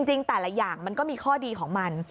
จริงแต่ละอย่างมันก็มีข้อดีของมัน